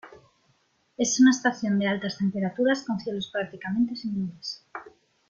Es una estación de altas temperaturas con cielos prácticamente sin nubes.